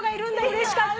うれしかった！